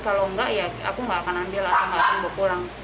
kalau enggak ya aku enggak akan ambil atau aku akan buk burang